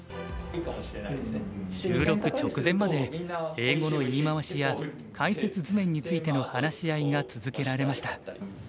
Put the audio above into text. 収録直前まで英語の言い回しや解説図面についての話し合いが続けられました。